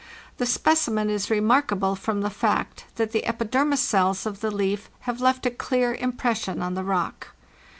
The speci men is remarkable from the fact that the epidermis cells of the leaf have left a clear impression on the rock.